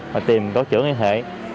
và tìm cổ trưởng liên hệ